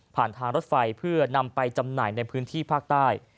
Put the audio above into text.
ทางรถไฟเพื่อนำไปจำหน่ายในพื้นที่ภาคใต้